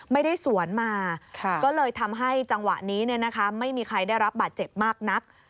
ไม่ได้สวนมาก็เลยทำให้จังหวะนี้ไม่มีใครได้รับบาดเจ็บมากนัก